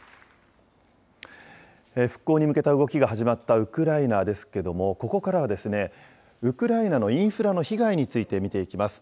復興に向けた動きが始まったウクライナですけれども、ここからは、ウクライナのインフラの被害について見ていきます。